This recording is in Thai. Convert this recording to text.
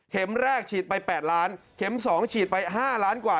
เข็มแรกฉีดไปแปดล้านเข็มสองฉีดไปห้าร้านกว่า